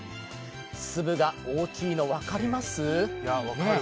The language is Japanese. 粒が大きいの、分かります？